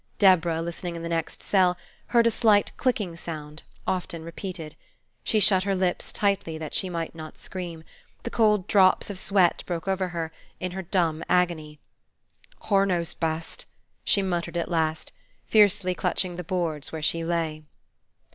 Deborah, listening in the next cell, heard a slight clicking sound, often repeated. She shut her lips tightly, that she might not scream; the cold drops of sweat broke over her, in her dumb agony. "Hur knows best," she muttered at last, fiercely clutching the boards where she lay.